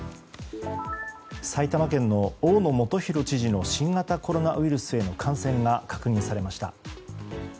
埼玉県の大野元裕知事の新型コロナウイルスへの感染が確認されました。